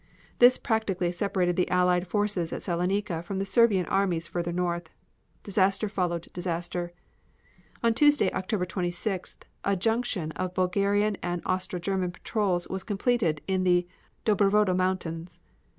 This practically separated the Allied forces at Saloniki from the Serbian armies further north. Disaster followed disaster. On Tuesday, October 26th, a junction of Bulgarian and Austro German patrols was completed in the Dobravodo mountains.